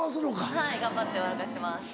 はい頑張って笑かしてます。